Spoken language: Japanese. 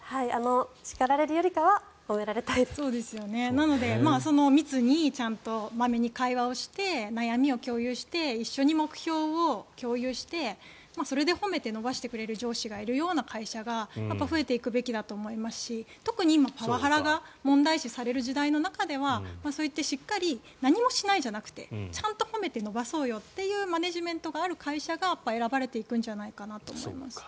なので、密にまめに会話をして悩みを共有して一緒に目標を共有してそれで褒めて伸ばしてくれる上司がいるような会社がやっぱり増えていくべきだと思いますし特に今、パワハラが問題視される時代の中ではそういったしっかり何もしないじゃなくてちゃんと褒めて伸ばそうよというマネジメントがある会社が選ばれていくんじゃないかなと思います。